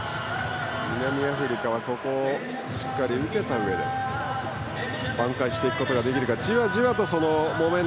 南アフリカは、ここをしっかり受けたうえで挽回していくことができるか。